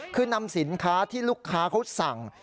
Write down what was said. คือนำสินค้าที่ลูกค้าเขาสั่ง